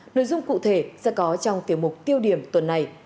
nội dung cụ thể sẽ có trong tiểu mục tiêu điểm tuần này